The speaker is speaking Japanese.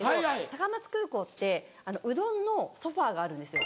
高松空港ってうどんのソファがあるんですよ。